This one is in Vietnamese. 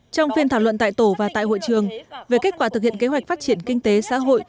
trong phiên thảo luận tại tổ và tại hội trường về kết quả thực hiện kế hoạch phát triển kinh tế xã hội